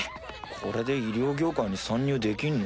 これで医療業界に参入できんの？